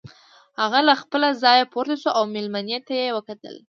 هغه له خپله ځايه پورته شو او مېلمنې ته يې وکتل.